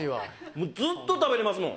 ずっと食べれますもん。